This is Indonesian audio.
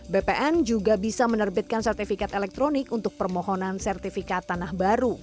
bpn juga bisa menerbitkan sertifikat elektronik untuk permohonan sertifikat tanah baru